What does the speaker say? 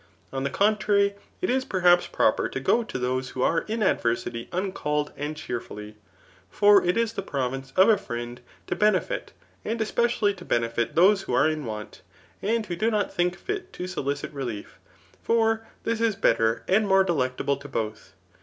On the contrary, it is per haps proper to go to those who are in adversity uncalled and cheerfully. For it is the province of a friend to be aefit, and especially to benefit those who are in want, and who do not think fit to solicit relief; for this b betikr and more delectable to both.